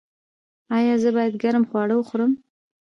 ایا زه باید ګرم خواړه وخورم؟